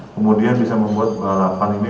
kemudian bisa membuat balapan ini